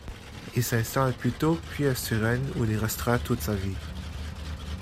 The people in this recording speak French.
Il s’installe à Puteaux puis à Suresnes où il restera toute sa vie.